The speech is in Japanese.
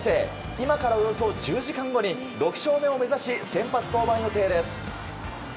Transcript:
今からおよそ１０時間後に６勝目を目指し先発登板予定です。